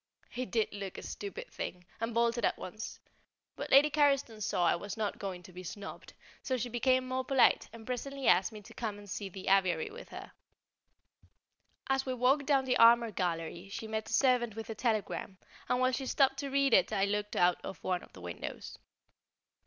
He did look a stupid thing, and bolted at once; but Lady Carriston saw I was not going to be snubbed, so she became more polite, and presently asked me to come and see the aviary with her. [Sidenote: The Slip of Paper] As we walked down the armour gallery she met a servant with a telegram, and while she stopped to read it I looked out of one of the windows.